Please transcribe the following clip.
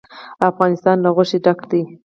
افغانستان له غوښې ډک دی.